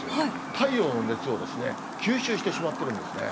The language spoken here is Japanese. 太陽の熱を吸収してしまってるんですね。